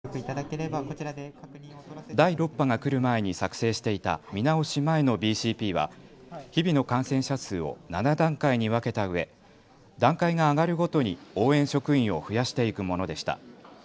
第６波が来る前に作成していた見直し前のＢＣＰは日々の感染者数を７段階に分けたうえ段階が上がるごとに応援職員を増やしていくものでした。